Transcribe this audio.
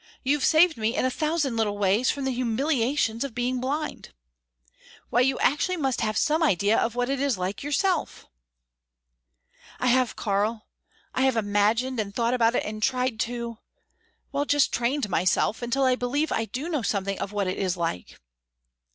You've saved me in a thousand little ways from the humiliations of being blind. Why you actually must have some idea of what it is like yourself!" "I have, Karl. I have imagined and thought about it and tried to well, just trained myself, until I believe I do know something of what it is like."